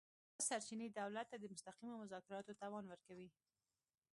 دا سرچینې دولت ته د مستقیمو مذاکراتو توان ورکوي